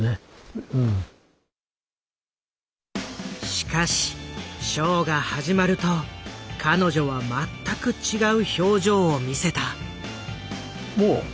しかしショーが始まると彼女は全く違う表情を見せた。